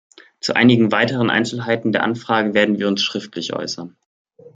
Zu einigen weiteren Einzelheiten der Anfrage werden wir uns schriftlich äußern.